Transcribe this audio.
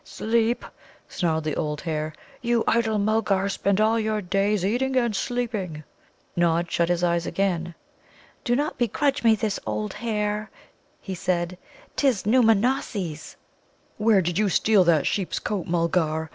"Sleep!" snarled the old hare. "You idle Mulgars spend all your days eating and sleeping!" Nod shut his eyes again. "Do not begrudge me this, old hare," he said; "'tis Nōōmanossi's." "Where did you steal that sheep's coat, Mulgar?